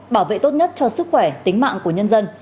bảo vệ tốt nhất cho sức khỏe tính mạng của nhân dân